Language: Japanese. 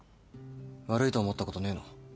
悪いと思ったことねえの？